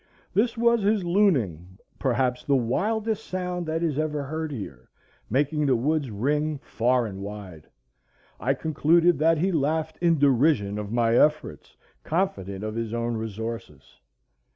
This was his looning,—perhaps the wildest sound that is ever heard here, making the woods ring far and wide. I concluded that he laughed in derision of my efforts, confident of his own resources.